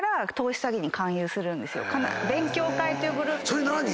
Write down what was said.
それ何？